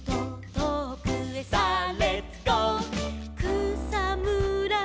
「くさむら